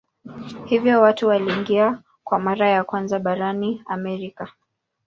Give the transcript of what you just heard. Hivyo watu waliingia kwa mara ya kwanza barani Amerika.